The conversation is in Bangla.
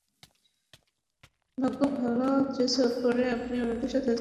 ভাগ্য ভাল যে সফরে আপনি আমাদের সাথে আছেন!